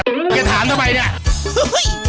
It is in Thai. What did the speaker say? แกถามทำไมเนี่ย